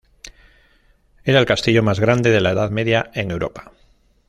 Era el castillo más grande de la Edad Media en Europa.